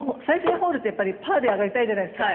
戻りますけど、１８番で最終ホールってパーで上がりたいじゃないですか